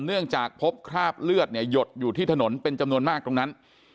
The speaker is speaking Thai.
เนื่องจากพบคราบเลือดเนี่ยหยดอยู่ที่ถนนเป็นจำนวนมากตรงนั้น